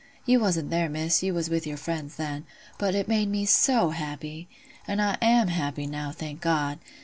You wasn't there, Miss, you was with your friends then—but it made me so happy! And I am happy now, thank God!